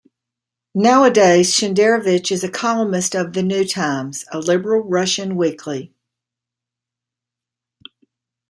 Nowadays Shenderovich is a columnist of "The New Times", a liberal Russian weekly.